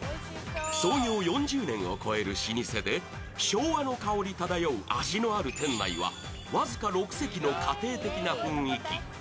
創業４０年を超える老舗で昭和の香り漂う味のある店内は僅か６席の家庭的な雰囲気。